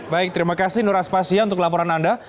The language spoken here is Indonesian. baik terima kasih nur aspasya untuk laporan anda